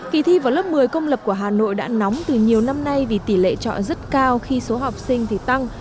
kỳ thi vào lớp một mươi công lập của hà nội đã nóng từ nhiều năm nay vì tỷ lệ trọi rất cao khi số học sinh thì tăng